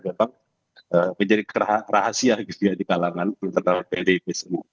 memang menjadi rahasia di kalangan tentang pdip semua